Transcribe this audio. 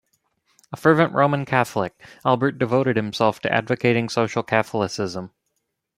A fervent Roman Catholic, Albert devoted himself to advocating Social Catholicism.